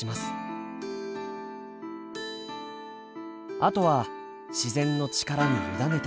あとは自然の力に委ねて。